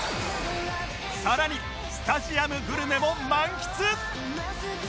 さらにスタジアムグルメも満喫！